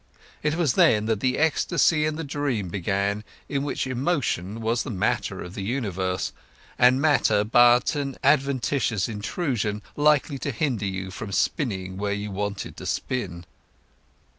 It was then that the ecstasy and the dream began, in which emotion was the matter of the universe, and matter but an adventitious intrusion likely to hinder you from spinning where you wanted to spin.